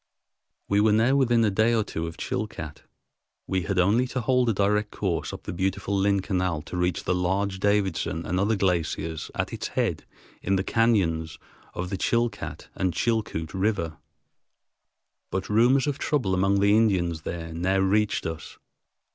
We were now within a day or two of Chilcat. We had only to hold a direct course up the beautiful Lynn Canal to reach the large Davidson and other glaciers at its head in the cañons of the Chilcat and Chilcoot Rivers. But rumors of trouble among the Indians there now reached us.